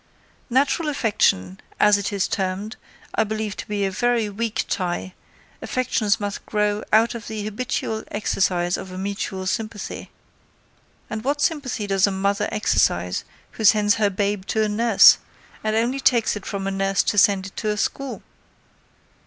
Natural affection, as it is termed, I believe to be a very weak tie, affections must grow out of the habitual exercise of a mutual sympathy; and what sympathy does a mother exercise who sends her babe to a nurse, and only takes it from a nurse to send it to a school?